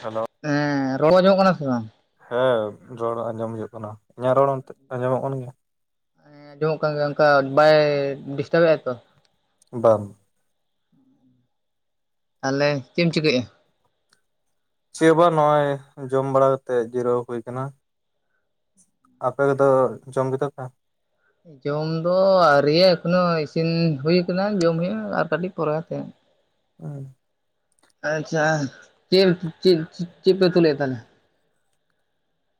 Hello [unintelligible] ᱦᱮᱸᱻ, ᱨᱚᱲ ᱟᱸᱡᱚᱢᱚᱜ ᱠᱟᱱᱟ ᱥᱮ ᱵᱟᱝ? ᱦᱮᱸ, ᱨᱚᱲ ᱟᱸᱡᱚᱢ ᱦᱤᱡᱩᱜ ᱠᱟᱱᱟ ᱤᱧᱟᱹᱜ ᱨᱚᱲ ᱚᱱᱛᱮ ᱟᱸᱡᱚᱢᱚᱜ ᱠᱟᱱ ᱜᱮᱭᱟ? ᱦᱮᱸ ᱟᱸᱡᱚᱢᱚᱜ ᱠᱟᱱ ᱜᱮᱭᱟ, ᱚᱱᱠᱟ ᱵᱟᱭ ᱰᱤᱥᱴᱟᱵᱮᱫᱼᱟ ᱛᱚ? ᱵᱟᱝ᱾ ᱛᱟᱦᱚᱞᱮ, ᱪᱮᱫ ᱮᱢ ᱪᱤᱠᱟᱹᱭᱮᱫᱼᱟ? ᱪᱮᱫ ᱵᱟᱝ, ᱱᱚᱜᱼᱚᱭ ᱡᱚᱢ ᱵᱟᱲᱟ ᱠᱟᱛᱮᱜ ᱡᱤᱨᱟᱹᱣ ᱦᱩᱭ ᱟᱠᱟᱱᱟ᱾ ᱟᱯᱮ ᱫᱚ ᱡᱚᱢ ᱠᱮᱫᱟ ᱯᱮ? ᱡᱚᱢ ᱫᱚ ᱟᱣᱨᱤᱭᱟ ᱮᱠᱷᱚᱱᱳ ᱤᱥᱤᱱ ᱦᱩᱭ ᱠᱟᱱᱟ ᱡᱚᱢ ᱦᱩᱭᱩᱜᱼᱟ ᱟᱨ ᱠᱟᱹᱴᱤᱡ ᱯᱚᱨᱮᱛᱮ᱾ ᱟ [unintelligible] ᱟᱪᱪᱷᱟ ᱪᱮᱫ ᱪᱮᱫ ᱪᱮᱫ ᱯᱮ ᱩᱛᱩ ᱞᱮᱜ-ᱟ ᱛᱟᱦᱚᱞᱮ?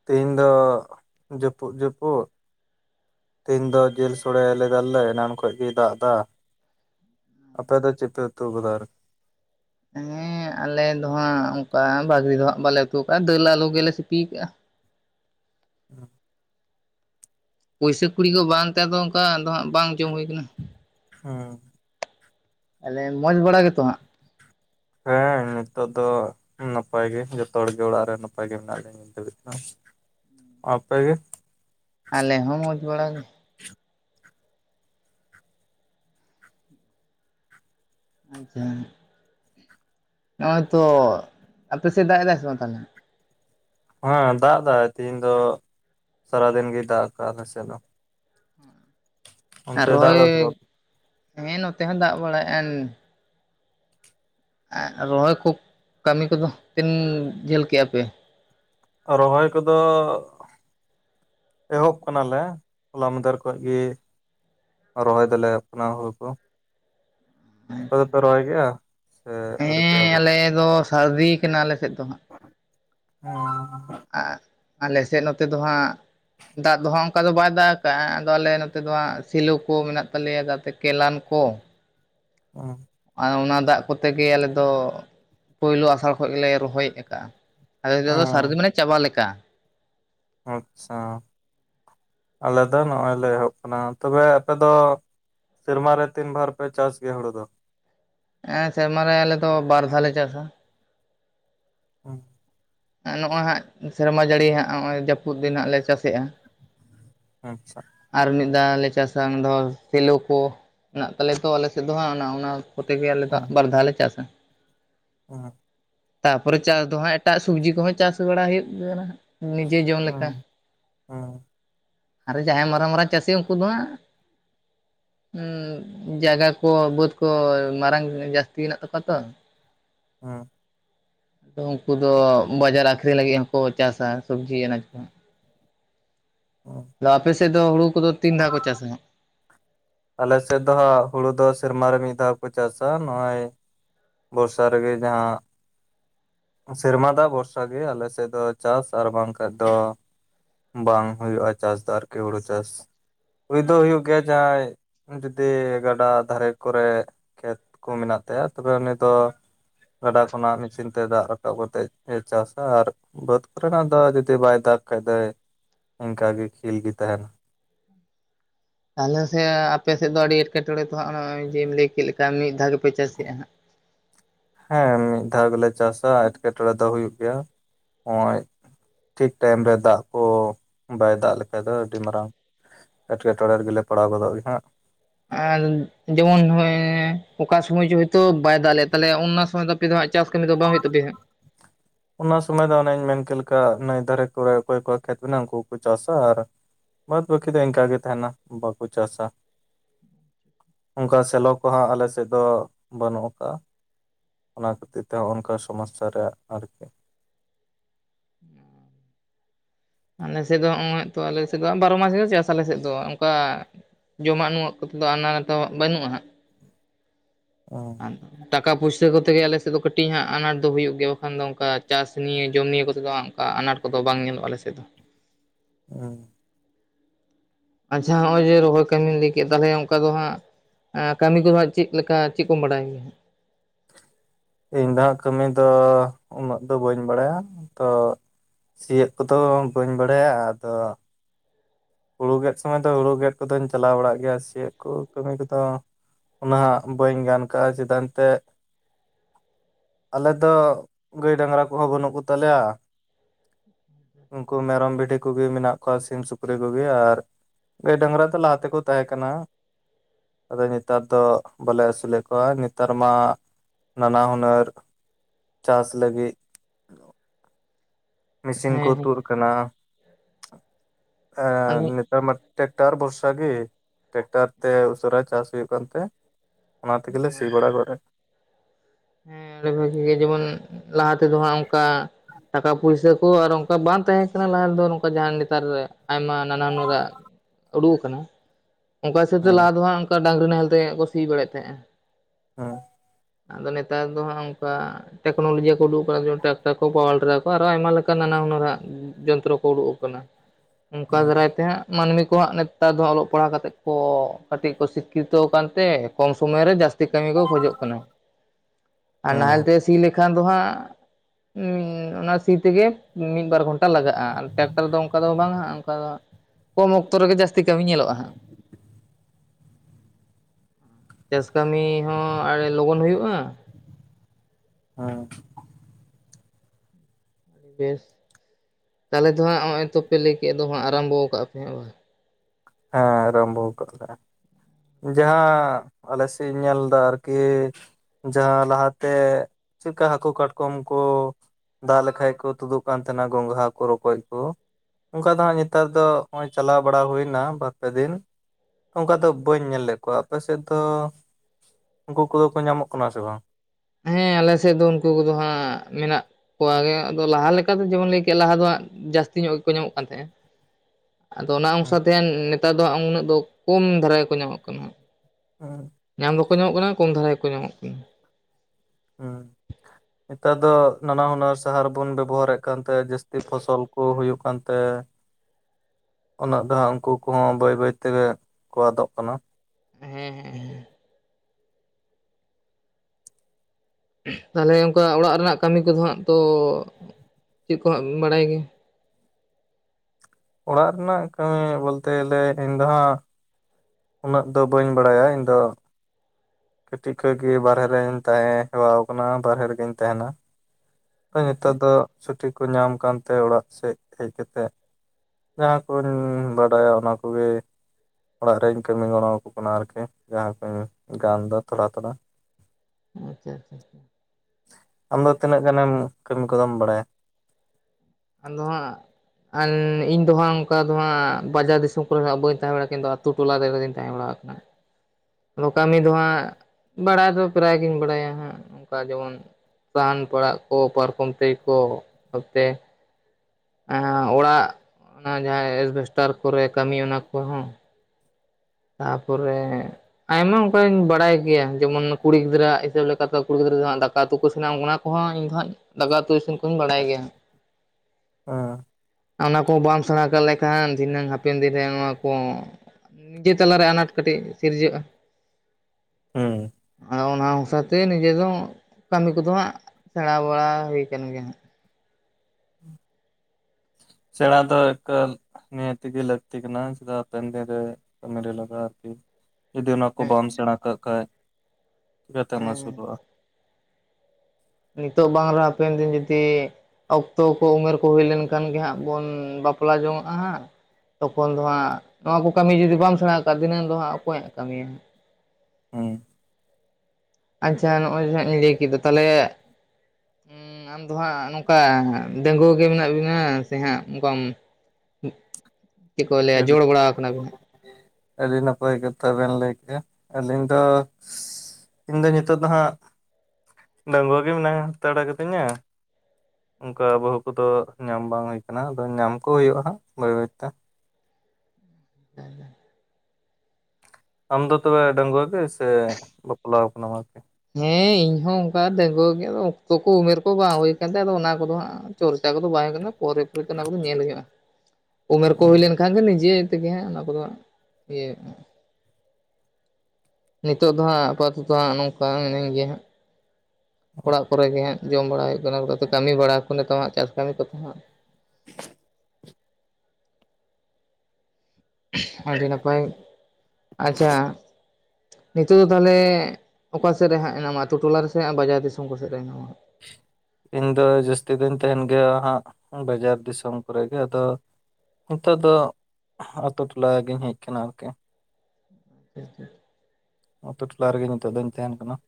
ᱛᱤᱦᱤᱧ ᱫᱚ ᱡᱟᱹᱯᱩᱫ ᱡᱟᱹᱯᱩᱫ᱾ ᱛᱤᱦᱤᱧ ᱫᱚ ᱡᱤᱞ ᱥᱳᱲᱮᱭᱟ ᱞᱮᱫᱟᱞᱮ ᱮᱱᱟᱱ ᱠᱷᱚᱡ ᱜᱮ ᱫᱟᱜ ᱮᱫᱟ᱾ ᱟᱯᱮ ᱫᱚ ᱪᱮᱫ ᱯᱮ ᱩᱛᱩ ᱠᱟᱫᱟ ᱟᱨ? ᱦᱮᱸ ᱟᱞᱮ ᱫᱚ ᱦᱟᱸᱜ ᱚᱱᱠᱟ ᱵᱷᱟᱜᱮ ᱫᱚ ᱦᱟᱸᱜ ᱵᱟᱞᱮ ᱩᱛᱩ ᱟᱠᱟᱜᱼᱟ, ᱫᱟᱹᱞ ᱟᱞᱚ ᱜᱮᱞᱮ ᱥᱤᱯᱤ ᱟᱠᱟᱜᱼᱟ᱾ [inaudible] ᱯᱩᱭᱥᱟ ᱠᱩᱲᱤ ᱠᱚ ᱵᱟᱝ ᱛᱮ ᱟᱫᱚ ᱚᱱᱠᱟ ᱟᱫᱚ ᱦᱟᱸᱜ ᱵᱟᱝ ᱡᱚᱢ ᱦᱩᱭ ᱠᱟᱱᱟ᱾ ᱦᱩᱸ [unintelligible] ᱟᱞᱮ ᱢᱚᱡᱽ ᱵᱟᱲᱟ ᱜᱮᱛᱚ ᱦᱟᱸᱜ? ᱦᱮᱸ ᱱᱤᱛᱚᱜ ᱫᱚ ᱱᱟᱯᱟᱭ ᱜᱮ ᱡᱚᱛᱚ ᱦᱚᱲ ᱜᱮ ᱚᱲᱟᱜ ᱨᱮ ᱱᱟᱯᱟᱭ ᱜᱮ ᱢᱮᱱᱟᱜ ᱞᱤᱧᱟᱹ᱾ [unintelligible] ᱟᱯᱮ ᱜᱮ? ᱟᱞᱮ ᱦᱚᱸ ᱢᱚᱸᱡᱽ ᱵᱟᱲᱟ ᱜᱮ᱾ ᱟᱪᱷᱟ, ᱱᱚᱜᱼᱚᱭ ᱛᱚ ᱟᱯᱮ ᱥᱮᱫ ᱫᱟᱜ ᱮᱫᱟᱭ ᱥᱮ ᱵᱟᱝ ᱛᱟᱦᱚᱞᱮ? ᱦᱮᱸ, ᱫᱟᱜ ᱮᱫᱟᱭ ᱛᱮᱦᱮᱧ ᱫᱚ ᱥᱟᱨᱟ ᱫᱤᱱ ᱜᱮᱭ ᱫᱟᱜ ᱟᱠᱟᱫ ᱱᱟᱥᱮ ᱫᱚ᱾ ᱟᱨ ᱚᱱᱛᱮ ᱫᱟᱜ ᱮᱫᱟ ᱨᱚᱦᱚᱭ, ᱥᱮ ᱵᱟᱝ ᱦᱮᱸ ᱱᱚᱛᱮ ᱦᱚᱸ ᱫᱟᱜ ᱵᱟᱲᱟᱭᱮᱫ-ᱟ ᱨᱚᱦᱚᱭ ᱠᱚ, ᱠᱟᱹᱢᱤ ᱠᱚᱫᱚ ᱛᱤᱱ ᱡᱷᱟᱹᱞ ᱠᱮᱜᱼᱟ ᱯᱮ? ᱨᱚᱦᱚᱭ ᱠᱚᱫᱚ ᱮᱦᱚᱵ ᱟᱠᱟᱱᱟᱞᱮ, ᱦᱚᱞᱟ ᱢᱟᱫᱷᱮᱨ ᱠᱷᱚᱡ ᱜᱮ᱾ ᱨᱚᱦᱚᱭ ᱫᱚ ᱞᱮ ᱮᱦᱚᱯ ᱠᱟᱱᱟ ᱦᱩᱲᱩ ᱠᱚ᱾ [unintelligible] ᱯᱮ ᱨᱚᱦᱚᱭ ᱜᱮᱭᱟ ᱥᱮ ᱟᱣᱨᱤ ᱯᱮ ᱦᱮᱸ ᱮᱦᱚᱵᱚᱜ-ᱟ? ᱟᱞᱮ ᱫᱚ ᱥᱟᱹᱨᱫᱤ ᱠᱟᱱᱟ ᱟᱞᱮ ᱥᱮᱫ ᱫᱚ [unintelligible] [unintelligible] ᱟᱞᱮᱥᱮᱫ ᱱᱚᱛᱮ ᱫᱚ ᱦᱟᱸᱜ ᱫᱟᱜ ᱫᱚ ᱦᱟᱸᱜ ᱚᱸᱠᱟ ᱫᱚ ᱵᱟᱭ ᱫᱟᱜ ᱠᱟᱜ-ᱟ, ᱟᱫᱚ ᱟᱞᱮ ᱱᱚᱛᱮ ᱫᱚ ᱦᱟᱸᱜ ᱥᱤᱞᱩ ᱠᱚ ᱢᱮᱱᱟᱜ ᱛᱟᱞᱮᱭᱟ ᱫᱟᱛᱮ [unintelligible] ᱠᱮᱞᱟᱱ ᱠᱚ᱾ ᱩᱸ [unintelligible] ᱟᱨ ᱚᱱᱟ ᱫᱟᱜ ᱠᱚᱛᱮ ᱜᱮ ᱟᱞᱮ ᱫᱚ ᱯᱳᱭᱞᱳ ᱟᱥᱟᱲ ᱠᱷᱚᱡ ᱜᱮᱞᱮ ᱨᱚᱦᱚᱭ ᱟᱠᱟᱜᱼᱟ᱾ [unintelligible] ᱥᱟᱹᱨᱫᱤ ᱦᱩᱸ ᱢᱟᱱᱮ ᱪᱟᱵᱟ ᱞᱮᱠᱟ? ᱟᱪᱷᱟ, ᱟᱞᱮ ᱫᱚ ᱱᱚᱜᱼᱚᱭ ᱞᱮ ᱮᱦᱚᱵ ᱟᱠᱟᱱᱟ ᱛᱚᱵᱮ ᱟᱯᱮ ᱫᱚ ᱥᱮᱨᱢᱟ ᱨᱮ ᱛᱤᱱ ᱵᱟᱨ ᱯᱮ ᱪᱟᱥ ᱜᱮᱭᱟ ᱦᱩᱲᱩ ᱫᱚ? ᱮᱸ ᱥᱮᱨᱢᱟ ᱨᱮ ᱟᱞᱮ ᱫᱚ ᱵᱟᱨ ᱫᱷᱟ ᱞᱮ ᱪᱟᱥᱟ᱾ ᱩᱸ᱾ ᱱᱚᱜᱼᱚᱭ ᱦᱟᱸᱜ ᱥᱮᱨᱢᱟ ᱡᱟᱹᱲᱤ ᱦᱟᱸᱜ ᱱᱚᱜᱼᱚᱭ ᱡᱟᱹᱯᱩᱫ ᱫᱤᱱ ᱦᱟᱸᱜ ᱞᱮ ᱪᱟᱥᱮᱜ-ᱟ᱾ ᱟᱸᱪᱪᱷᱟ᱾ ᱟᱨ ᱢᱤᱫ ᱫᱷᱟᱣ ᱞᱮ ᱪᱟᱥᱟ, ᱚᱱᱟ ᱫᱚ ᱥᱤᱞᱩ ᱠᱚ᱾ ᱦᱮᱱᱟᱜ ᱛᱟᱞᱮ ᱛᱚ ᱟᱞᱮᱥᱮᱫ ᱫᱚ ᱦᱟᱸᱜ ᱚᱱᱟ ᱚᱱᱟ ᱠᱚᱛᱮ ᱜᱮ ᱟᱞᱮ ᱫᱟᱜ ᱵᱟᱨᱫᱷᱟᱣ ᱞᱮ ᱪᱟᱥᱟ᱾ [unintelligible] ᱛᱟᱨᱯᱚᱨᱮ ᱪᱟᱥ ᱫᱚ ᱦᱟᱸᱜ ᱮᱴᱟᱜ ᱥᱚᱵᱡᱤ ᱠᱚ ᱦᱚᱸ ᱪᱟᱥ ᱵᱟᱲᱟ ᱦᱩᱭᱩᱜ ᱜᱮᱭᱟ ᱦᱟᱸᱜ᱾ ᱱᱤᱡᱮ ᱡᱚᱢ ᱞᱮᱠᱟ ᱟᱨ ᱡᱟᱦᱟᱸᱭ ᱢᱟᱨᱟᱝ ᱢᱟᱨᱟᱝ ᱪᱟᱹᱥᱤ ᱩᱱᱠᱩ ᱫᱚ ᱦᱟᱸᱜ ᱩᱸ ᱡᱟᱜᱟ ᱠᱚ ᱵᱟᱹᱫ ᱠᱚ ᱢᱟᱨᱟᱝ ᱡᱟᱹᱥᱛᱤ ᱢᱮᱱᱟᱜ ᱛᱟᱠᱚᱣᱟ ᱛᱚ᱾ ᱦᱩᱸ᱾ ᱩᱱᱠᱩ ᱫᱚ ᱵᱟᱡᱟᱨ ᱟᱹᱠᱷᱨᱤᱧ ᱞᱟᱹᱜᱤᱫ ᱦᱚᱸᱠᱚ ᱪᱟᱥᱟ ᱥᱚᱵᱡᱤ ᱟᱱᱟᱡᱽ ᱠᱚ᱾ [unintelligible] [unintelligible] ᱟᱯᱮ ᱥᱮᱫ ᱫᱚ ᱦᱩᱲᱩ ᱠᱚᱫᱚ ᱛᱤᱱ ᱫᱷᱟᱣ ᱠᱚ ᱪᱟᱥᱟ ᱦᱟᱸᱜ? ᱟᱞᱮᱥᱮᱫ ᱫᱚ ᱦᱟᱸᱜ ᱦᱩᱲᱩ ᱫᱚ ᱥᱮᱨᱢᱟ ᱨᱮ ᱢᱤᱫ ᱫᱷᱟᱣ ᱠᱚ ᱪᱟᱥᱟ᱾ ᱱᱚᱜᱼᱚᱭ ᱚᱨᱥᱟ ᱨᱮᱜᱮ ᱡᱟᱦᱟᱸ ᱥᱮᱨᱢᱟ ᱫᱟᱜ ᱵᱷᱚᱨᱥᱟ ᱜᱮ ᱟᱞᱮᱥᱮᱫ ᱫᱚ ᱪᱟᱥ ᱟᱨ ᱵᱟᱝᱠᱷᱟᱡ ᱫᱚ ᱵᱟᱝ, ᱵᱟᱭ ᱦᱩᱭᱩᱜᱼᱟ ᱪᱟᱥ ᱫᱚ, ᱟᱨᱠᱤ ᱦᱩᱲᱩ ᱪᱟᱥ? ᱦᱩᱭ ᱫᱚ ᱦᱩᱭᱩᱜ ᱜᱮᱭᱟ ᱡᱟᱦᱟᱸᱭ ᱡᱩᱫᱤ ᱜᱟᱰᱟ ᱫᱷᱟᱨᱮ ᱠᱚᱨᱮ ᱠᱷᱮᱛ ᱠᱚ ᱢᱮᱱᱟᱜ ᱛᱟᱭᱟ ᱛᱚᱵᱮ ᱩᱱᱤ ᱫᱚ ᱜᱟᱰᱟ ᱠᱷᱚᱱᱟᱜ ᱢᱮᱥᱤᱱ ᱛᱮ ᱫᱟᱜ ᱨᱟᱠᱟᱵ ᱠᱟᱛᱮᱫ ᱮ ᱪᱟᱥᱟ ᱟᱨ ᱵᱟᱹᱫᱽ ᱠᱚᱨᱮᱱᱟᱜ ᱫᱟᱜ ᱡᱩᱫᱤ ᱵᱟᱭ ᱫᱟᱜᱽ ᱠᱷᱟᱡ ᱫᱚᱭ ᱤᱱᱠᱟ ᱜᱮ ᱪᱤᱦᱤᱞ ᱜᱮ ᱛᱟᱦᱮᱱᱟ᱾ ᱛᱟᱦᱞᱮ ᱥᱮ ᱟᱯᱮ ᱥᱮᱫ ᱫᱚ ᱟᱹᱰᱤ ᱮᱸᱴᱠᱮᱴᱚᱬᱮ ᱛᱚ ᱦᱟᱸᱜ ᱱᱚᱜᱼᱚᱭ ᱡᱮᱢ ᱞᱟᱹᱭ ᱠᱮᱫ ᱞᱮᱠᱟ ᱢᱤᱫ ᱫᱷᱟᱣ ᱜᱮᱯᱮ ᱪᱟᱥᱮᱫᱼᱟ ᱦᱟᱸᱜ᱾ ᱦᱮᱸ ᱟᱨ ᱢᱤᱫ ᱫᱷᱟᱣ ᱜᱮᱞᱮ ᱪᱟᱥᱟ ᱮᱴᱠᱮᱴᱚᱬᱮ ᱫᱚ ᱦᱩᱭᱩᱜ ᱜᱮᱭᱟ᱾ [unintelligible] ᱴᱷᱤᱠ ᱴᱟᱭᱤᱢ ᱨᱮ ᱫᱟᱜ ᱠᱚ ᱵᱟᱭ ᱫᱟᱜ ᱞᱮᱠᱷᱟᱡ ᱫᱚ ᱟᱹᱰᱤ ᱢᱟᱨᱟᱝ ᱮᱴᱠᱮᱴᱬᱮ ᱨᱮᱜᱮ ᱞᱮ ᱯᱟᱲᱟᱣ ᱜᱚᱫᱚᱜ ᱜᱮ ᱦᱟᱸᱜ᱾ ᱟᱨ ᱡᱮᱢᱚᱱ ᱦᱚᱸᱭ ᱚᱠᱟ ᱥᱚᱢᱚᱭ ᱪᱚ ᱦᱳᱭᱛᱳ ᱵᱟᱭ ᱫᱟᱜ ᱞᱮᱫ ᱛᱟᱞᱮᱭᱟ ᱚᱱᱱᱟ ᱥᱚᱢᱚᱭ ᱫᱚ ᱟᱯᱮ ᱫᱚ ᱦᱟᱸᱜ ᱪᱟᱥ ᱠᱟᱹᱢᱤ ᱫᱚ ᱵᱟ ᱦᱩᱭᱩᱜ ᱛᱟᱯᱮᱭᱟ ᱦᱟᱸᱜ᱾ ᱚᱱᱟ ᱥᱚᱢᱚᱭ ᱫᱚ ᱚᱱᱮᱧ ᱢᱮᱱ ᱠᱮᱫ ᱞᱮᱠᱟ, ᱱᱟᱹᱭ ᱫᱷᱟᱨᱮ ᱠᱚᱨᱮ ᱚᱠᱚᱭ ᱠᱚᱣᱟᱜ ᱠᱷᱮᱛ ᱢᱮᱱᱟᱜᱼᱟ, ᱩᱱᱠᱩ ᱠᱚ ᱪᱟᱥᱟ ᱟᱨ ᱵᱟᱫᱽ ᱵᱟᱹᱠᱤ ᱫᱚ ᱤᱱᱠᱟ ᱜᱮ ᱛᱟᱦᱮᱱᱟ ᱵᱟᱠᱚ ᱪᱟᱥᱟ᱾ ᱚᱱᱠᱟ ᱥᱮᱞᱚᱯ ᱠᱚ ᱦᱟᱸᱜ ᱟᱞᱮᱥᱮᱫ ᱫᱚ ᱵᱟᱹᱱᱩᱜ ᱟᱠᱟᱜ-ᱟ᱾ ᱚᱱᱟ ᱠᱷᱟᱹᱛᱤᱨ ᱛᱮ ᱱᱚᱜ-ᱚ-ᱱᱚᱝᱠᱟ ᱥᱚᱢᱚᱥᱥᱟ ᱨᱮ, ᱟᱨ ᱪᱮᱫ? ᱟᱞᱮ ᱥᱮᱫ ᱫᱚ ᱱᱚᱜᱼᱚᱭ ᱛᱚ ᱟᱞᱮ ᱥᱮᱫ ᱫᱚ ᱵᱟᱨᱚ ᱢᱟᱥ ᱜᱮ ᱪᱟᱥ ᱟᱞᱮ ᱥᱮᱫ ᱫᱚ᱾ ᱚᱱᱠᱟ ᱼᱼ ᱡᱚᱢᱟᱜ ᱧᱩᱣᱟᱜ ᱠᱚᱛᱮ ᱫᱚ ᱟᱱᱟᱜᱷᱟᱴᱟ ᱵᱟᱹᱱᱩᱜᱼᱟ ᱦᱟᱸᱜ᱾ [inaudible] ᱴᱟᱠᱟ ᱯᱩᱭᱥᱟᱹ ᱠᱚᱛᱮ ᱜᱮ ᱟᱞᱮ ᱥᱮᱫ ᱫᱚ ᱠᱟᱹᱴᱤᱡ ᱦᱟᱸᱜ ᱟᱱᱟᱴ ᱫᱚ ᱦᱩᱭᱩᱜ ᱜᱮᱭᱟ, ᱵᱟᱠᱷᱟᱱ ᱱᱚᱝᱠᱟ ᱪᱟᱥ ᱱᱤᱭᱟᱹ ᱡᱚᱢ ᱱᱤᱭᱟᱹ ᱠᱚᱛᱮ ᱫᱚ ᱟᱱᱟᱴ ᱠᱚᱫᱚ ᱵᱟᱝ ᱧᱮᱞᱚᱜᱼᱟ ᱟᱞᱮᱥᱮᱫ ᱫᱚ᱾ ᱩᱸ᱾ ᱟᱪᱪᱷᱟ ᱦᱚᱜᱼᱚᱭ ᱡᱮ ᱨᱚᱦᱚᱭ ᱠᱟᱹᱢᱤᱢ ᱞᱟᱹᱭ ᱠᱮᱫ, ᱛᱟᱦᱞᱮ ᱚᱱᱠᱟ ᱫᱚ ᱦᱟᱸᱜ ᱟ ᱠᱟᱹᱢᱤ ᱠᱚ [unintelligible] ᱪᱮᱫ ᱞᱮᱠᱟ ᱪᱮᱫ ᱠᱚᱢ ᱵᱟᱰᱟᱭ? ᱤᱧ ᱫᱚ ᱦᱟᱸᱜ ᱠᱟᱹᱢᱤ ᱫᱚ ᱩᱱᱟᱹᱜ ᱫᱚ ᱵᱟᱹᱧ ᱵᱟᱲᱟᱭᱟ᱾ ᱛᱚ ᱥᱤᱭᱚᱜ ᱠᱚᱫᱚ ᱵᱟᱹᱧ ᱵᱟᱲᱟᱭᱟ᱾ ᱟᱫᱚ ᱦᱩᱲᱩ ᱜᱮᱫ ᱥᱚᱢᱚᱭ ᱫᱚ ᱦᱩᱲᱩ ᱜᱮᱫ ᱠᱚᱫᱚᱧ ᱪᱟᱞᱟᱣ ᱵᱟᱲᱟᱜ ᱜᱮᱭᱟ᱾ ᱥᱤᱭᱚᱜ ᱠᱚ ᱠᱟᱹᱢᱤ ᱠᱚᱫᱚ ᱚᱱᱟ ᱵᱟᱹᱧ ᱜᱟᱱ ᱠᱟᱜᱼᱟ ᱪᱮᱫᱟᱱ ᱛᱮᱫ ᱟᱞᱮ ᱛᱚ ᱜᱟᱹᱭ ᱰᱟᱝᱨᱟ ᱠᱚᱦᱚᱸ ᱵᱟᱹᱱᱩᱜ ᱠᱚ ᱛᱟᱞᱮᱭᱟ᱾ ᱩᱱᱠᱩ ᱢᱮᱨᱚᱢ ᱵᱷᱤᱰᱤ ᱠᱚᱜᱮ ᱢᱮᱱᱟᱜ ᱠᱚᱣᱟ᱾ ᱥᱤᱢ ᱥᱩᱠ ᱠᱚ ᱜᱮᱭᱟ ᱟᱨ ᱜᱟᱹᱭ ᱰᱟᱝᱨᱟ ᱛᱚ ᱞᱟᱦᱟ ᱛᱮᱠᱚ ᱛᱟᱦᱮᱸ ᱠᱟᱱᱟ᱾ ᱟᱫᱚ ᱱᱮᱛᱟᱨ ᱫᱚ ᱵᱟᱞᱮ ᱟᱹᱥᱩᱞᱮᱫ ᱠᱚᱣᱟ ᱱᱮᱛᱟᱨ ᱢᱟ᱾ ᱱᱟᱱᱟ ᱦᱩᱱᱟᱹᱨ ᱪᱟᱥ ᱞᱟᱹᱜᱤᱫ, ᱢᱮᱥᱤᱱ ᱠᱚ ᱦᱮᱸ ᱦᱮᱸ ᱛᱩᱫ ᱠᱟᱱᱟ ᱮᱸ ᱟᱫᱚ ᱱᱤᱛ ᱦᱳᱭ ᱢᱟ ᱴᱮᱠᱴᱟᱨ ᱵᱷᱚᱨᱥᱟ ᱜᱮ ᱴᱮᱠᱴᱟᱨ ᱛᱮ ᱩᱥᱟᱹᱨᱟ ᱪᱟᱥ ᱦᱩᱭᱩᱜᱭ ᱠᱟᱱ ᱛᱮ ᱚᱱᱟ ᱛᱮᱜᱮᱞᱮ ᱥᱤ ᱵᱟᱲᱟ ᱜᱚᱜ ᱮᱫ ᱦᱮᱸ ᱟᱹᱰᱤ ᱵᱷᱟᱜᱤ ᱜᱮ ᱡᱮᱢᱚᱱ ᱞᱟᱦᱟ ᱛᱮᱫᱚ ᱦᱟᱸᱜ ᱚᱱᱠᱟ ᱴᱟᱠᱟ ᱯᱩᱭᱥᱟᱹ ᱠᱚ ᱟᱨ ᱠᱚ ᱵᱟᱝ ᱛᱟᱦᱮᱸ ᱠᱟᱱᱟ ᱞᱟᱦᱟ ᱨᱮᱫᱚ ᱱᱚᱝᱠᱟ ᱡᱟᱦᱟᱸ ᱱᱮᱛᱟᱨ ᱨᱮ ᱟᱭᱢᱟ ᱱᱟᱱᱟ ᱦᱩᱱᱟᱹᱨᱟᱜ ᱩᱰᱩᱠᱜᱚᱜ ᱠᱟᱱᱟ ᱚᱱᱠᱟ ᱦᱤᱥᱟᱹᱵ ᱛᱮ ᱦᱮᱸ ᱞᱟᱦᱟ ᱫᱚ ᱦᱟᱸᱜ ᱚᱱᱠᱟ ᱰᱟᱝᱨᱤ ᱱᱟᱦᱮᱞ ᱛᱮᱜᱮ ᱠᱚ ᱥᱤ ᱵᱟᱲᱟᱭᱮᱫ ᱛᱟᱦᱮᱸᱜᱼᱟ, ᱦᱮᱸ ᱟᱫᱚ ᱱᱮᱛᱟᱨ ᱫᱚ ᱦᱟᱸᱜ ᱚᱝᱠᱟ, ᱴᱮᱠᱱᱳᱞᱚᱡᱤᱭᱟ ᱠᱚ ᱩᱰᱩᱠ ᱠᱟᱫᱟ ᱡᱮᱢᱚᱱ ᱴᱨᱟᱠᱴᱟᱨ ᱠᱚ ᱯᱟᱣᱟᱨ ᱴᱮᱞᱟᱨ ᱠᱚ ᱟᱨᱚ ᱟᱭᱢᱟ ᱞᱮᱠᱟᱱ ᱱᱟᱱᱟ ᱦᱩᱱᱟᱹᱨᱟᱜ ᱡᱚᱱᱛᱨᱚ ᱠᱚ ᱩᱰᱩᱠ ᱟᱠᱟᱱᱟ ᱚᱱᱠᱟ ᱦᱮᱸ ᱫᱟᱨᱟᱭ ᱛᱮ ᱦᱟᱸᱜ, ᱢᱟᱹᱱᱢᱤ ᱠᱚ ᱦᱟᱸᱜ ᱱᱮᱛᱟᱨ ᱫᱚ ᱦᱟᱸᱜ ᱚᱞᱚᱜ ᱯᱟᱲᱦᱟᱣ ᱠᱟᱛᱮᱫ ᱠᱚ ᱠᱟᱹᱴᱤᱡ ᱠᱚ ᱥᱤᱠᱠᱷᱤᱛᱚ ᱠᱟᱱ ᱛᱮ ᱠᱚᱢ ᱥᱚᱢᱚᱭ ᱨᱮ ᱡᱟᱥ ᱛᱤ ᱠᱟᱹᱢᱤ ᱠᱚ ᱠᱷᱚᱡᱚᱜ ᱠᱟᱱᱟ ᱟᱨ ᱱᱟᱦᱮᱞ ᱛᱮ ᱥᱤ ᱞᱮᱠᱷᱟᱱ ᱫᱚ ᱦᱟᱸᱜ, ᱩᱸᱻ ᱚᱱᱟ ᱥᱤ ᱛᱮᱜᱮ ᱢᱤᱫ ᱵᱟᱨ ᱜᱷᱚᱱᱴᱟ ᱞᱟᱜᱟᱜᱼᱟ ᱟᱨ ᱴᱮᱠᱴᱟᱨ ᱫᱚ ᱚᱱᱠᱟ ᱫᱚ ᱵᱟᱝ ᱦᱟᱜ ᱚᱱᱠᱟ ᱫᱚ ᱠᱚᱢ ᱚᱠᱛᱚ ᱨᱮᱜᱮ ᱡᱟᱹᱥᱛᱤ ᱠᱟᱹᱢᱤ ᱧᱮᱞᱚᱜ-ᱟ ᱦᱟᱸᱜ, ᱪᱟᱥ ᱠᱟᱹᱢᱤ ᱦᱚᱸ ᱟᱹᱰᱤ ᱞᱚᱜᱚᱱ ᱦᱩᱭᱩᱜ-ᱟ, ᱦᱮᱸ ᱵᱮᱥ ᱛᱟᱦᱚᱞᱮ ᱫᱚ ᱦᱟᱸᱜ ᱱᱚᱜ-ᱚᱭ ᱛᱚᱯᱮ ᱞᱟᱹᱭ ᱠᱮᱫ ᱫᱚ ᱦᱟᱸᱜ ᱟᱨᱟᱢᱵᱚ ᱠᱟᱜ-ᱟ ᱯᱮ ᱦᱟᱸᱜ ᱵᱟᱝ, ᱦᱮᱸ ᱟᱨᱟᱢᱵᱚ ᱠᱟᱜ ᱟᱞᱮ᱾ ᱡᱟᱦᱟᱸ ᱟᱞᱮ ᱥᱮᱫ ᱤᱧ ᱧᱮᱞ ᱮᱫᱟ ᱟᱨᱠᱤ᱾ ᱡᱟᱦᱟᱸ ᱞᱟᱦᱟᱛᱮ ᱪᱮᱫᱠᱟ ᱦᱟᱹᱠᱩ ᱠᱟᱴᱠᱚᱢ ᱠᱚ ᱫᱟᱜ ᱞᱮᱠᱷᱟᱡ ᱠᱚ ᱛᱩᱫᱩᱜ ᱠᱟᱱ ᱛᱟᱦᱮᱱᱟ ᱜᱚᱝᱜᱷᱟ ᱠᱚ ᱨᱚᱠᱚᱡ ᱠᱚ, ᱚᱱᱠᱟ ᱫᱚ ᱦᱟᱸᱜ ᱱᱮᱛᱟᱨ ᱫᱚ ᱱᱚᱜ-ᱚᱭ ᱪᱟᱞᱟᱣ ᱵᱟᱲᱟ ᱦᱩᱭᱱᱟ, ᱵᱟᱨᱯᱮ ᱫᱤᱱ ᱚᱱᱠᱟ ᱫᱚ ᱵᱟᱹᱧ ᱧᱮᱞ ᱞᱮᱫ ᱠᱚᱣᱟ ᱟᱯᱮ ᱥᱮᱫ ᱫᱚ ᱩᱱᱠᱩ ᱠᱚᱫᱚ ᱠᱚ ᱧᱟᱢᱚᱜ ᱠᱟᱱᱟ ᱥᱮ ᱵᱟᱝ? ᱦᱮᱸ ᱟᱞᱮ ᱥᱮᱫ ᱫᱚ ᱩᱱᱠᱩ ᱠᱚᱫᱚ ᱦᱟᱸᱜ ᱢᱮᱱᱟᱜ᱾ ᱠᱚᱣᱟ ᱜᱮ ᱟᱫᱚ ᱞᱟᱦᱟ ᱞᱮᱠᱟ ᱞᱮᱠᱟᱛᱮ ᱡᱮᱢᱚᱱ ᱞᱟᱹᱭ ᱠᱮᱫ ᱞᱟᱦᱟ ᱫᱚ ᱦᱟᱸᱜ ᱡᱟᱹᱥᱛᱤ ᱧᱚᱜ ᱜᱮᱠᱚ ᱧᱟᱢᱚᱜ ᱠᱟᱱ ᱛᱟᱦᱮᱸᱜ-ᱟ, ᱟᱫᱚ ᱚᱱᱟ ᱚᱝᱥᱟ ᱛᱮ ᱦᱟᱸᱜ ᱱᱮᱛᱟᱨ ᱫᱚ ᱦᱟᱸᱜ ᱩᱱᱟᱹᱜ ᱫᱚ ᱠᱚᱢ ᱫᱷᱟᱨᱟ ᱜᱮᱠᱚ ᱧᱟᱢᱚᱜ ᱠᱟᱱᱟ, [inaudible] ᱧᱟᱢ ᱫᱚᱠᱚ ᱧᱟᱢᱚᱜ ᱠᱟᱱᱟ ᱠᱚᱢ ᱫᱷᱟᱨᱟ ᱜᱮᱠᱚ ᱧᱟᱢᱚᱜ ᱠᱟᱱᱟ, [unintelligible] ᱱᱮᱛᱟᱨ ᱫᱚ ᱱᱟᱱᱟ ᱦᱩᱱᱟᱹᱨ ᱥᱟᱦᱟᱨ ᱵᱚᱱ ᱵᱮᱵᱚᱦᱟᱨᱮᱫ ᱠᱟᱱ ᱛᱟᱦᱮᱸ ᱡᱟᱹᱥᱛᱤ ᱯᱷᱚᱥᱚᱞ ᱠᱩ ᱦᱩᱭᱩᱜ ᱠᱟᱱ ᱛᱮ, [unintelligible] ᱩᱱᱟᱹᱜ ᱫᱚ ᱦᱟᱸᱜ ᱩᱱᱠᱩ ᱠᱚᱦᱚᱸ ᱵᱟᱹᱭ ᱵᱟᱹᱭ ᱛᱮᱜᱮ ᱠᱚ ᱟᱫᱚᱜ ᱠᱟᱱᱟ, ᱦᱮᱸ ᱦᱮᱸ ᱦᱮᱸ ᱛᱟᱦᱚᱞᱮ ᱚᱱᱠᱟ ᱚᱲᱟᱜ ᱨᱮᱱᱟᱜ ᱠᱟᱹᱢᱤ ᱠᱚᱫᱚ ᱦᱟᱸᱜ ᱛᱚ ᱪᱮᱫ ᱠᱚ ᱦᱟᱸᱜ ᱵᱟᱲᱟᱭ ᱜᱮᱭᱟ ᱚᱲᱟᱜ ᱨᱮᱱᱟᱜ ᱠᱟᱹᱢᱤ ᱵᱚᱞᱛᱮ ᱜᱮᱞᱮ ᱤᱧ ᱫᱚ ᱦᱟᱸᱜ ᱩᱱᱟᱹᱜ ᱫᱚ ᱵᱟᱹᱧ ᱵᱟᱲᱟᱭᱟ ᱤᱧ ᱫᱚ ᱠᱟᱹᱴᱤᱡ ᱠᱷᱚᱡ ᱜᱮ ᱵᱟᱨᱦᱮ ᱨᱮᱧ ᱛᱟᱦᱮᱸ ᱦᱮᱣᱟ ᱟᱠᱟᱱᱟ ᱵᱟᱨᱦᱮ ᱨᱮᱜᱤᱧ ᱛᱟᱦᱮᱸᱱᱟ, ᱥᱮ ᱱᱮᱛᱟᱨ ᱫᱚ ᱪᱷᱩᱴᱤ ᱠᱚ ᱧᱟᱢ ᱠᱟᱱᱛᱮ ᱚᱲᱟᱜ ᱥᱮᱫ ᱦᱮᱡ ᱠᱟᱛᱮᱫ᱾ ᱡᱟᱦᱟᱸ ᱠᱚᱨᱮᱧ ᱵᱟᱰᱟᱭᱟ ᱚᱱᱟ ᱠᱚᱜᱮ ᱚᱲᱟᱜ ᱨᱮᱧ ᱠᱟᱹᱢᱤ ᱜᱚᱲᱚ ᱟᱠᱚ ᱠᱟᱱᱟ ᱟᱨᱠᱤ ᱡᱟᱦᱟᱸ ᱠᱟᱹᱢᱤ ᱜᱟᱱ ᱫᱟ ᱛᱷᱚᱲᱟ ᱛᱷᱚᱲᱟ, ᱟᱪᱷᱟ ᱟᱪᱷᱟ ᱟᱢᱫᱚ ᱛᱤᱱᱟᱹᱜ ᱜᱟᱱᱮᱢ ᱠᱟᱹᱢᱤ ᱠᱚᱫᱟᱢ ᱵᱟᱲᱟᱭᱟ ᱟᱫᱚ ᱦᱟᱸᱜ ᱟᱨ ᱤᱧ ᱫᱚ ᱦᱟᱸᱜ ᱚᱱᱠᱟ ᱫᱚ ᱦᱟᱸᱜ ᱵᱟᱡᱟᱨ ᱫᱤᱥᱚᱢ ᱠᱚᱨᱮᱜ ᱵᱟᱹᱧ ᱛᱟᱦᱮᱸ ᱵᱟᱲᱟᱜ-ᱟ ᱠᱤᱱᱛᱩ ᱟᱛᱳ ᱴᱚᱞᱟ ᱨᱮᱫᱚ ᱤᱧ ᱛᱟᱦᱮᱸ ᱵᱟᱲᱟᱣ ᱟᱠᱟᱜ-ᱟ [inaudible] ᱟᱫᱚ ᱠᱟᱹᱢᱤ ᱫᱚ ᱦᱟᱸᱜ ᱵᱟᱲᱟᱭ ᱫᱚ ᱯᱨᱟᱭ ᱜᱤᱧ ᱵᱟᱲᱟᱭᱟ ᱦᱟᱸᱜ ᱚᱱᱠᱟ ᱡᱮᱢᱚᱱ, ᱥᱟᱦᱟᱱ ᱯᱟᱲᱟᱜ ᱠᱚ ᱯᱟᱨᱠᱚᱢ ᱛᱮᱭ ᱠᱚ ᱦᱚᱛᱮ, ᱟᱸᱻ ᱚᱲᱟᱜ ᱚᱱᱟ ᱡᱟᱦᱟᱸ ᱮᱥᱵᱷᱮᱥᱴᱟᱨ ᱠᱚᱨᱮ ᱠᱟᱹᱢᱤ ᱚᱱᱟ ᱠᱚᱦᱚᱸ ᱛᱟᱯᱚᱨᱮ ᱟᱭᱢᱟ ᱚᱱᱠᱟᱧ ᱵᱟᱲᱟᱭ ᱜᱮᱭᱟ ᱡᱮᱢᱚᱱ ᱠᱩᱲᱤ ᱜᱤᱫᱽᱨᱟᱹ ᱦᱤᱥᱟᱹᱵ ᱞᱮᱠᱟᱛᱮ ᱠᱩᱲᱤ ᱜᱤᱫᱽᱨᱟᱹ ᱡᱟᱦᱟᱸ ᱫᱟᱠᱟ ᱩᱛᱩ ᱠᱚ ᱤᱥᱤᱱᱟ ᱚᱱᱠᱟ, ᱠᱚᱦᱚ ᱤᱧ ᱫᱚ ᱦᱟᱸᱜ ᱫᱟᱠᱟ ᱩᱛᱩ ᱤᱥᱤᱱ ᱠᱚᱧ ᱵᱟᱲᱟᱭ ᱜᱮᱭᱟ ᱾ ᱦᱟᱸᱻ ᱚᱱᱟ ᱠᱚ ᱵᱟᱢ ᱥᱮᱬᱟ ᱠᱟᱜ ᱞᱮᱠᱷᱟᱱ ᱫᱷᱤᱱᱟᱹᱝ ᱦᱟᱯᱮᱱ ᱫᱤᱱᱨᱮ ᱱᱚᱣᱟ ᱠᱚ ᱱᱤᱡᱮ ᱛᱟᱞᱟᱨᱮ ᱟᱱᱟᱴ ᱠᱟᱹᱴᱤᱡ ᱥᱤᱨᱡᱟᱹᱜ-ᱟ ᱦᱩᱸ ᱚᱱᱟ [inaudible] ᱦᱟᱸᱻ ᱚᱱᱟ ᱱᱩᱥᱟᱨ, ᱛᱮ ᱱᱤᱡᱮ ᱫᱚ ᱠᱟᱹᱢᱤ ᱠᱚᱫᱚ ᱦᱟᱸᱜ ᱥᱮᱬᱟ ᱵᱟᱲᱟ ᱦᱩᱭ ᱟᱠᱟᱱ ᱜᱮᱭᱟ ᱦᱟᱸᱜ ᱾ ᱾ ᱥᱮᱬᱟ ᱫᱚ ᱮᱠᱟᱞ, ᱱᱤᱭᱟᱹ ᱛᱮᱜᱮ ᱞᱟᱹᱠᱛᱤ ᱠᱟᱱᱟ ᱪᱮᱫᱟᱜ ᱴᱟᱺᱰᱤ ᱨᱮ ᱠᱟᱹᱢᱤ ᱨᱮ ᱞᱟᱜᱟᱜ ᱟᱨᱠᱤ ᱾ ᱡᱩᱫᱤ ᱚᱱᱟ ᱠᱚ ᱦᱮᱸ ᱵᱟᱢ ᱥᱮᱬᱟ ᱠᱟᱜ ᱠᱷᱟᱱ ᱪᱤᱠᱟᱹᱛᱮᱢ ᱦᱮᱸ ᱦᱮᱸ ᱟᱹᱥᱩᱞᱚᱜᱼᱟ ᱾ ᱱᱤᱛᱚᱜ ᱵᱟᱝ ᱨᱮᱦᱚᱸ ᱦᱟᱯᱮᱱ ᱫᱤᱱ ᱡᱩᱫᱤ ᱚᱠᱛᱚ ᱠᱚ ᱩᱢᱮᱨ ᱠᱚ ᱦᱩᱭ ᱞᱮᱱᱠᱷᱟᱱ ᱜᱮ ᱦᱟᱸᱜ ᱵᱚᱱ ᱵᱟᱯᱞᱟ ᱡᱚᱝ ᱟᱦᱟᱸᱜ ᱛᱚᱠᱷᱚᱱ ᱫᱚ ᱦᱟᱸᱜ ᱱᱚᱣᱟ ᱠᱚ ᱠᱟᱹᱢᱤ ᱡᱩᱫᱤ ᱵᱟᱢ ᱥᱮᱬᱟ ᱟᱠᱟᱫᱼᱟ ᱫᱤᱱᱟᱹᱝ ᱫᱚ ᱦᱟᱸᱜ ᱚᱠᱚᱭ ᱮ ᱠᱟᱹᱢᱤᱭᱟ ᱦᱟᱸᱜ ᱾ ᱦᱩᱸ, ᱟᱪᱪᱷᱟ ᱱᱚᱜᱼᱚᱭ ᱡᱷᱟᱸᱧ ᱤᱧ ᱞᱟᱹᱭ ᱠᱮᱫᱟ ᱛᱟᱦᱚᱞᱮ, ᱟᱢ ᱫᱚ ᱦᱟᱸᱜ ᱱᱚᱝᱠᱟ ᱰᱟᱸᱜᱩᱣᱟᱹ ᱜᱮ ᱢᱮᱱᱟᱜ ᱵᱮᱤᱱᱟ ᱥᱮ ᱦᱟᱸᱜ ᱚᱠᱟᱢ ᱩᱸᱜ, ᱪᱮᱫ ᱠᱚ ᱞᱟᱹᱭᱟ ᱡᱳᱲ ᱵᱟᱲᱟ ᱟᱠᱟᱱᱟ ᱵᱤᱱ ᱦᱟᱸᱜ ᱾ [inaudible] ᱟᱹᱰᱤ ᱱᱟᱯᱟᱭ ᱠᱟᱛᱷᱟ ᱵᱮᱱ ᱞᱟᱹᱭ ᱠᱮᱫᱼᱟ ᱟᱹᱞᱤᱧ ᱫᱚ. [inaudible] ᱤᱧᱫᱚ ᱱᱤᱛᱚᱜ ᱫᱚ ᱦᱟᱸᱜ [inaudible] ᱰᱟᱹᱜᱩᱣᱟᱹ ᱜᱮ ᱢᱤᱱᱟ. ᱧ ᱦᱟᱛᱟᱸᱲ ᱟᱠᱟᱹᱫᱤᱧᱟ ᱾ ᱚᱱᱠᱟ ᱵᱟᱹᱦᱩ ᱠᱚᱫᱚ ᱧᱟᱢ ᱵᱟᱝ ᱦᱩᱭ ᱟᱠᱟᱱᱟ, ᱟᱫᱚ ᱧᱟᱢ ᱠᱚ ᱦᱩᱭᱩᱜᱼᱟ ᱦᱟᱸᱜ ᱵᱟᱹᱭ ᱵᱟᱹᱭ ᱛᱮ, ᱦᱮ [inaudible] ᱟᱢ ᱫᱚ ᱛᱚᱵᱮ ᱰᱟᱺᱜᱩᱣᱟ ᱜᱮ ᱥᱮ ᱵᱟᱯᱞᱟᱣ ᱟᱠᱟᱱᱟ ᱟᱨᱠᱤ, ᱦᱮᱸᱻ ᱤᱧ ᱦᱚᱸ ᱚᱱᱠᱟ ᱰᱟᱺᱜᱩᱣᱟᱹ ᱜᱮ ᱚᱠᱛᱚ ᱠᱚ ᱩᱢᱮᱨ ᱠᱚ ᱵᱟᱝ ᱦᱩᱭ ᱟᱠᱟᱱ ᱛᱟᱦᱮᱸ ᱟᱫᱚ ᱚᱱᱟ ᱠᱚᱫᱚ ᱦᱟᱸᱜ ᱾ ᱪᱚᱨᱪᱟ ᱠᱚᱫᱚ ᱵᱟᱭ ᱜᱟᱱᱚᱜᱼᱟ ᱯᱚᱨᱮ ᱯᱚᱨᱮ ᱛᱮ ᱚᱱᱟ ᱠᱚᱫᱚ ᱧᱮᱞ ᱦᱩᱭᱩᱜᱼᱟ ᱾ ᱩᱢᱮᱨ ᱠᱚ ᱦᱩᱭ ᱦᱮᱸ ᱞᱮᱱᱠᱷᱟᱱ ᱜᱮ ᱱᱤᱡᱮ ᱛᱮᱜᱮ ᱦᱟᱸᱜ ᱚᱱᱟ ᱠᱚᱫᱚ ᱤᱭᱟᱹᱼᱟ᱾ ᱱᱤᱛᱚᱜ ᱫᱚ ᱦᱟᱸᱜ [unintelligible] ᱦᱟᱸᱜ ᱱᱚᱝᱠᱟ ᱢᱤᱱᱟᱹᱧ ᱜᱮᱭᱟ ᱦᱟᱸᱜ [inaudible] ᱚᱲᱟᱜ ᱠᱚᱨᱮ ᱜᱮ ᱦᱟᱸᱜ ᱡᱚᱢ ᱵᱟᱲᱟ ᱦᱩᱭᱩᱜ ᱠᱟᱱᱟ ᱠᱟᱹᱢᱤ ᱵᱟᱲᱟᱠᱚ ᱱᱤᱛᱚᱝᱼᱟᱜ ᱪᱟᱥ ᱠᱟᱹᱢᱤ ᱠᱚᱛᱮ ᱦᱟᱸᱜ, ᱟᱹᱰᱤ ᱱᱟᱯᱟᱭ [inaudible] ᱟᱪᱪᱷᱟ᱾ ᱱᱤᱛᱚᱜ ᱫᱚ ᱛᱟᱦᱚᱞᱮ ᱚᱠᱟᱥᱮᱫ ᱨᱮ ᱦᱟᱸᱜ ᱦᱮᱱᱟᱢᱟ ᱟᱛᱳ ᱴᱚᱞᱟ ᱨᱮ ᱥᱮ ᱵᱟᱡᱟᱨ ᱫᱤᱥᱚᱢ ᱠᱚ ᱥᱮᱫ ᱨᱮ ᱢᱮᱱᱟᱢᱟ ᱾ [inaudible] ᱤᱧ ᱫᱚ ᱡᱟᱹᱥᱛᱤ ᱫᱚᱧ ᱛᱟᱦᱮᱱ ᱜᱮᱭᱟ ᱦᱟᱸᱜ ᱵᱟᱡᱟᱨ ᱫᱤᱥᱚᱢ ᱠᱚᱨᱮ ᱜᱮ ᱟᱫᱚ, ᱱᱤᱛᱚᱜ ᱫᱚ ᱟᱛᱳ ᱴᱚᱞᱟ ᱨᱮᱜᱮᱧ ᱦᱮᱡ ᱟᱠᱟᱱᱟ ᱜᱚᱢᱠᱮ ᱴᱷᱤᱠ ᱴᱷᱤᱠ [unintelligible] [inaudible] ᱟᱛᱳ ᱴᱚᱞᱟ ᱨᱮᱜᱮ ᱱᱤᱛᱚᱜ ᱫᱚᱧ ᱛᱟᱦᱮᱱ ᱠᱟᱱᱟ ᱾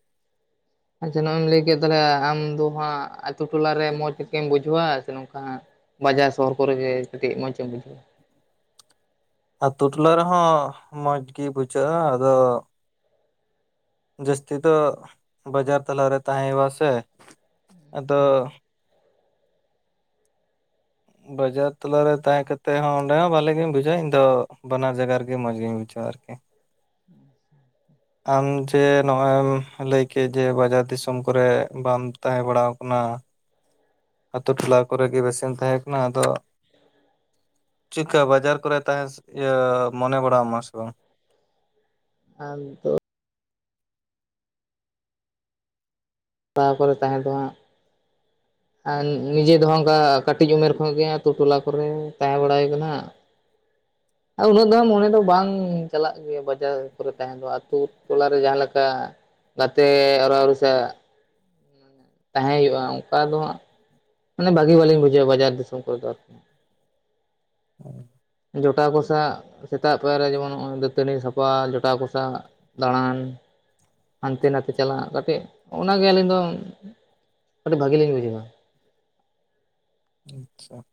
ᱟᱪᱪᱷᱟ ᱱᱚᱭᱼᱮᱢ ᱞᱟᱹᱭ ᱠᱮᱫ ᱛᱟᱦᱚᱞᱮ ᱟᱢ ᱫᱚ ᱦᱟᱸᱜ ᱟᱛᱳ ᱴᱚᱞᱟ ᱨᱮ ᱢᱚᱸᱡᱽᱢ [unintelligible] ᱵᱩᱡᱷᱟᱹᱣᱟ ᱥᱮ ᱱᱚᱝᱠᱟ ᱦᱟᱸᱜ, ᱵᱟᱡᱟᱨ ᱥᱚᱦᱚᱨ ᱠᱚᱨᱮ ᱜᱮ ᱠᱟᱹᱴᱤᱡ ᱢᱚᱡᱽᱮᱢ ᱵᱩᱡᱷᱟᱹᱣᱟ ᱾ ᱟᱛᱳ ᱴᱚᱞᱟ ᱨᱮᱦᱚᱸ ᱢᱚᱸᱡᱽ ᱜᱮ ᱵᱩᱡᱷᱟᱹᱜᱼᱟ ᱟᱫᱚ ᱡᱟᱹᱥᱛᱤ ᱫᱚ ᱵᱟᱡᱟᱨ ᱛᱟᱞᱟᱨᱮ ᱛᱟᱦᱮᱸ ᱦᱮᱣᱟ ᱥᱮ ᱟᱫᱚ ᱵᱟᱡᱟᱨ ᱛᱟᱞᱟᱨᱮ ᱛᱟᱦᱮᱸ ᱠᱟᱛᱮ ᱦᱚᱸ ᱚᱸᱰᱮ ᱦᱚᱸ ᱵᱷᱟᱮᱜ ᱜᱮᱧ ᱵᱩᱡᱷᱟᱹᱣᱟ ᱤᱧ ᱫᱚ ᱵᱟᱱᱟᱨ ᱡᱟᱭᱜᱟ ᱨᱮᱜᱮ ᱢᱚᱡᱽ ᱜᱮᱧ ᱵᱩᱡᱷᱟᱹᱣᱟ ᱟᱨᱠᱤ ᱾ ᱟᱢ ᱡᱮ ᱱᱚᱜᱼᱚᱭ ᱮᱢ ᱞᱟᱹᱭ ᱠᱮᱫ ᱡᱮ ᱵᱟᱡᱟᱨ ᱫᱤᱥᱚᱢ ᱠᱚᱨᱮ ᱵᱟᱢ ᱛᱟᱦᱮᱸ ᱵᱟᱲᱟ ᱟᱠᱟᱱᱟ ᱾ ᱟᱛᱳ ᱴᱚᱞᱟ ᱠᱚᱨᱮ ᱜᱮ ᱵᱮᱥᱮᱢ ᱛᱟᱦᱮᱸ ᱠᱟᱱᱟ ᱟᱫᱚ ᱪᱤᱠᱟᱹ ᱵᱟᱡᱟᱨ ᱠᱚᱨᱮ ᱛᱟᱦᱮᱸ ᱤᱭᱟᱹ ᱢᱚᱱᱮ ᱵᱟᱲᱟ ᱟᱢᱟ ᱥᱮ ᱵᱟᱝ? ᱟᱢ ᱫᱚ [inaudible] ᱛᱟ ᱯᱚᱨᱮ ᱛᱟᱦᱮᱸ ᱫᱚ ᱦᱟᱸᱜ, ᱟᱨ ᱱᱤᱡᱮ ᱫᱚ ᱚᱱᱠᱟ ᱠᱟᱹᱴᱤᱡ ᱩᱢᱮᱨ ᱠᱷᱚᱱ ᱜᱮ ᱟᱛᱳ ᱴᱚᱞᱟ ᱠᱚᱨᱮ ᱛᱟᱦᱮᱸ ᱵᱟᱲᱟ ᱦᱩᱭ ᱟᱠᱟᱱᱟ ᱾ [inaudible] ᱩᱱᱟᱹᱜ ᱫᱚ ᱢᱚᱱᱮ ᱫᱚ ᱵᱟᱝ ᱪᱟᱞᱟᱜ ᱜᱮᱭᱟ ᱵᱟᱡᱟᱨ ᱠᱚᱨᱮ ᱛᱟᱦᱮᱸ ᱫᱚ ᱟᱛᱳ ᱴᱚᱞᱟᱨᱮ ᱡᱟᱦᱟᱸ ᱞᱮᱠᱟ ᱾ ᱜᱟᱛᱮ ᱟᱨ ᱟᱨᱩᱥᱟ [unintelligible] ᱛᱟᱦᱮᱸ ᱦᱩᱭᱩᱜᱼᱟ ᱚᱱᱠᱟ ᱫᱚ ᱦᱟᱸᱜ [inaudible] ᱢᱟᱱᱮ ᱵᱷᱟᱹᱜᱤ ᱵᱟᱞᱤᱧ ᱵᱩᱡᱷᱟᱹᱣᱟ ᱵᱟᱡᱟᱨ ᱫᱤᱥᱚᱢ ᱠᱚᱨᱮ ᱫᱚ ᱟᱨᱠᱤ ᱦᱟ [inaudible] ᱡᱚᱴᱟᱣ ᱠᱚᱥᱟᱜ ᱥᱮᱛᱟᱜ ᱯᱮᱭᱟᱨ ᱨᱮ ᱡᱮᱢᱚᱱ ᱱᱚᱜᱼᱚᱭ ᱫᱟᱹᱛᱟᱹᱱᱤ ᱥᱟᱯᱷᱟ ᱡᱚᱴᱟᱣ ᱠᱚᱥᱟᱜ ᱫᱟᱲᱟᱱ ᱦᱟᱱᱛᱮ ᱱᱟᱛᱮ ᱪᱟᱞᱟᱜ ᱠᱟᱹᱛᱮᱡ ᱚᱱᱟᱜᱮ ᱟᱹᱞᱤᱧ ᱫᱚ ᱚᱰᱤ ᱵᱷᱟᱹᱜᱤ ᱞᱤᱧ ᱵᱩᱡᱷᱟᱣ-ᱟ᱾ ᱟᱸᱪᱪᱷᱟ ᱾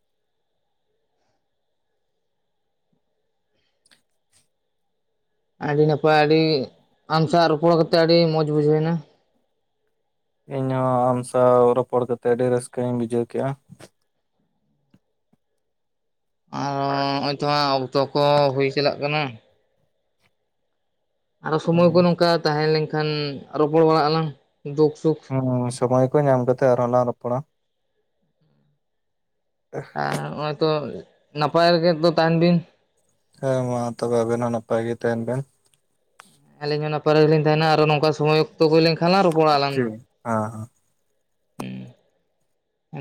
ᱟᱹᱰᱤ ᱱᱟᱯᱟᱭ ᱟᱹᱰᱤ ᱟᱢ ᱥᱟᱜ ᱨᱚᱯᱚᱲ ᱠᱟᱛᱮ ᱟᱹᱰᱤ ᱢᱚᱡᱽ ᱵᱩᱡᱷᱟᱹᱣ ᱮᱱᱟ ᱾ ᱤᱧᱦᱚᱸ ᱟᱢ ᱥᱟᱶ ᱨᱚᱯᱚᱲ ᱠᱟᱛᱮᱫ ᱟᱹᱰᱤ ᱨᱟᱹᱥᱠᱟᱹᱧ ᱵᱩᱡᱷᱟᱹᱣ ᱠᱮᱫᱼᱟ ᱾ ᱟᱨᱚ ᱱᱚᱜᱼᱚᱭ ᱛᱚ ᱚᱠᱛᱚ ᱠᱚ ᱦᱩᱭ ᱪᱟᱞᱟᱜ ᱠᱟᱱᱟ ᱾ ᱟᱨᱚ ᱥᱚᱢᱚᱭ ᱠᱚ ᱱᱚᱝᱠᱟ ᱛᱟᱦᱮᱸ ᱞᱮᱱᱠᱷᱟᱱ ᱨᱚᱯᱚᱲ ᱵᱟᱲᱟᱜ ᱟᱞᱟᱝ ᱫᱩᱠ ᱥᱩᱠᱷ ᱩᱸ ᱥᱚᱢᱚᱭ ᱠᱚ ᱧᱟᱢ ᱠᱟᱛᱮᱜ ᱟᱨᱦᱚᱸ ᱞᱟᱝ ᱨᱚᱯᱚᱲᱟ ᱾ ᱟᱨ ᱱᱚᱼᱚᱭ ᱛᱚ ᱱᱟᱯᱟᱭ ᱨᱮᱜᱮ ᱛᱚ ᱛᱟᱦᱮᱱ ᱵᱤᱱ᱾ ᱦᱮᱸ ᱢᱟ ᱛᱚᱵᱮ ᱟᱵᱮᱱ ᱦᱚᱸ ᱱᱟᱯᱟᱭ ᱜᱮ ᱛᱟᱦᱮᱱ ᱵᱮᱱ᱾ ᱟᱹᱞᱤᱧ ᱦᱚᱸ ᱱᱟᱯᱟᱭ ᱨᱮᱞᱤᱧ ᱛᱟᱦᱮᱱᱟ ᱟᱨᱚ ᱱᱚᱝᱠᱟ ᱥᱚᱢᱚᱭ ᱚᱠᱛᱚ ᱦᱩᱭ ᱞᱮᱱ ᱠᱷᱟᱱ ᱞᱟᱝ ᱨᱚᱯᱚᱲᱟ ᱞᱟᱝ ᱦᱟᱻ ᱢᱟ